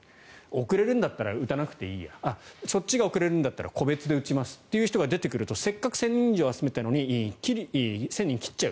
遅れるんだったら打たなくていいやそっちが遅れるんだったら個別で打ちますという人が出てくると、せっかく１０００人以上集めたのに１０００人を切っちゃう。